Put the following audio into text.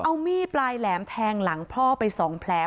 เอามีดปลายแหลมแทงหลังพ่อไป๒แผล